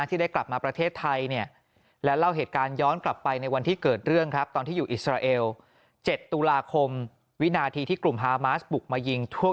ที่ได้กลับมาประเทศไทย